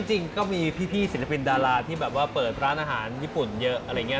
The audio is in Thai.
จริงก็มีพี่ศิลปินดาราที่แบบว่าเปิดร้านอาหารญี่ปุ่นเยอะอะไรอย่างนี้